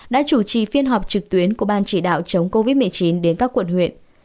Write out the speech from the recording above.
đã chủ trì phiên họp trực tuyến của ban chỉ đạo chống covid một mươi chín đến các quận huyện